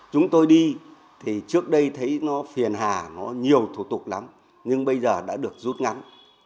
chúng tôi đi thì trước đây thấy nó phiền hà nó nhiều thủ tục lắm nhưng bây giờ đã được rút ngắn